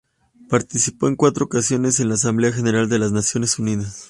Participó en cuatro ocasiones en la Asamblea General de las Naciones Unidas.